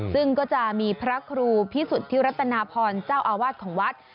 ซึ่งก็จะมีพระครูพิสุทธิรัตนาพรเจ้าอาวาสของวัด